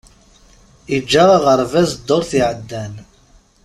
Iǧǧa aɣerbaz ddurt iεeddan.